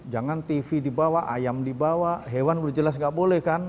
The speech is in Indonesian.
jangan tv dibawa ayam dibawa hewan udah jelas nggak boleh kan